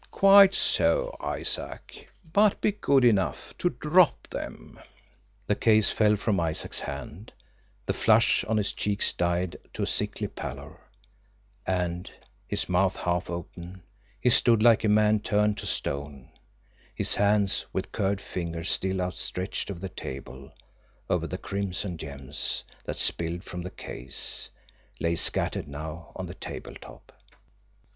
Quite so, Isaac but be good enough to DROP them!" The case fell from Isaac's hand, the flush on his cheeks died to a sickly pallor, and, his mouth half open, he stood like a man turned to stone, his hands with curved fingers still outstretched over the table, over the crimson gems that, spilled from the case, lay scattered now on the tabletop.